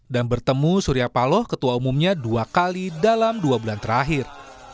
dan bertemu surya paloh ketua umumnya dua kali dalam dua bulan terakhir